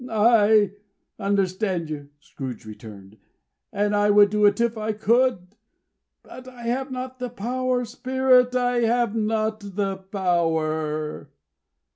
"I understand you," Scrooge returned, "and I would do it if I could. But I have not the power, Spirit. I have not the power."